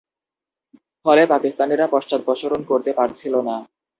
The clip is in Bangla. ফলে, পাকিস্তানিরা পশ্চাদপসরণ করতে পারছিল না।